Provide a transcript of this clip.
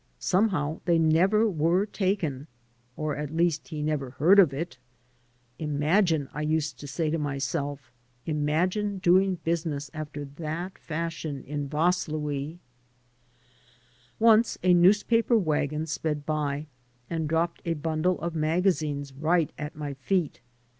ScMndiow they never were taken — or at least he never heard of iL Imagine, I used to say to myself — imagine doing business aft» that fashion in VasluL Once a new^Miper wagon qped by and drc^ped a bundle of magazines ri|^t at my feet.